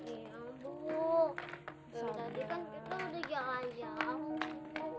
ibu dari tadi kan kita udah jalan aja